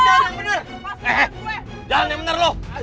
jalan ya bener lo